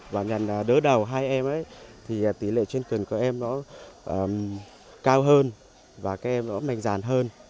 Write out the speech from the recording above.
và nhằn đỡ đầu hai em thì tỷ lệ chuyên cần của các em nó cao hơn và các em nó mạnh dàn hơn